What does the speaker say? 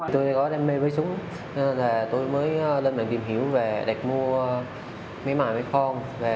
tôi có đam mê với súng tôi mới lên mạng tìm hiểu về đặt mua máy máy phong